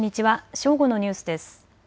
正午のニュースです。